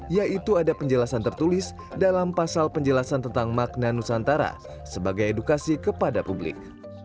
yaitu ada penjelasan tertulis dalam pasal penjelasan tentang makna nusantara sebagai edukasi kepada publik